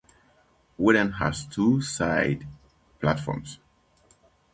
Woodend has two side platforms.